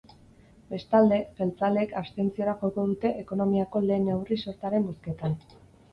Bestalde, jeltzaleek abstentziora joko dute ekonomiako lehen neurri-sortaren bozketan.